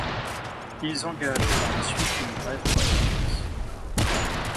Ils engagent par la suite une brève correspondance.